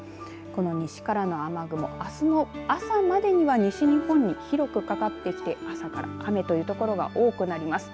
この西からの雨雲あすの朝までには西日本に広くかかってきて朝から雨という所が多くなります。